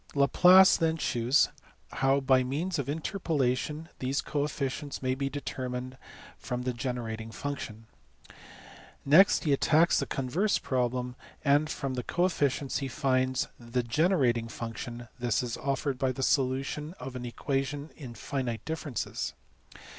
Laplace then shews how by means of interpola tion these coefficients may be determined from the generating function. Next he attacks the converse problem, and from the coefficients he finds the generating function; this is effected by the solution of an equation in finite differences.